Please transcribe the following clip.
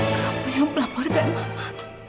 kamu yang pelaporkan mama